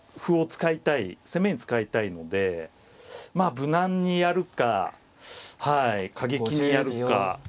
攻めに使いたいのでまあ無難にやるか過激にやるか。